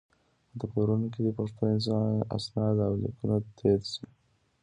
په دفترونو کې دې پښتو اسناد او لیکونه تېر شي.